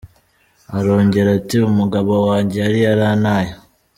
Arongera ati “Umugabo wanjye yari yarantaye.